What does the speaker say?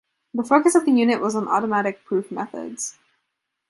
The focus of the Unit was on automatic proof methods.